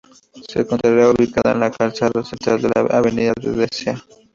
Se encontrará ubicada en la calzada central de la Avenida La Dehesa.